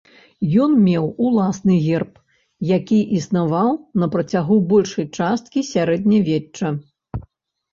Ён меў уласны герб, які існаваў на працягу большай часткі сярэднявечча.